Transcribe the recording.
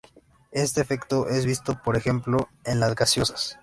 Este efecto es visto por ejemplo en las gaseosas.